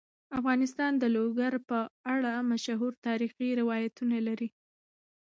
افغانستان د لوگر په اړه مشهور تاریخی روایتونه لري.